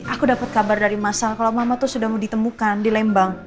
aku dapet kabar dari mas al kalau mama tuh sudah mau ditemukan di lembang